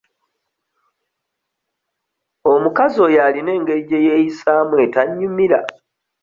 Omukazi oyo alina engeri gye yeeyisaamu etannyumira.